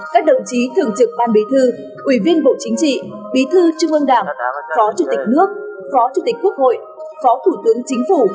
các đồng chí thường trực ban bí thư ủy viên bộ chính trị bí thư trung ương đảng phó chủ tịch nước phó chủ tịch quốc hội phó thủ tướng chính phủ